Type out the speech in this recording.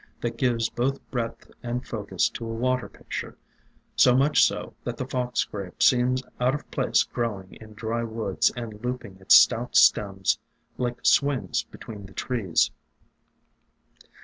that gives both breadth and focus to a water picture, so much so that the Fox Grape seems out of place growing in dry woods and looping its stout stems like swings between the trees.